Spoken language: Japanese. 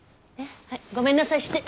はいごめんなさいして。